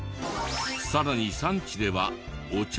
さらに産地ではお茶の葉を。